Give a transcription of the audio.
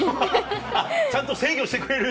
あっちゃんと制御してくれる。